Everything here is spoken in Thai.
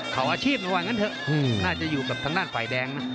เขาอาชีพผ่านเงี้ยเค้าน่าจะอยู่กับทางด้านไฟแดงนะ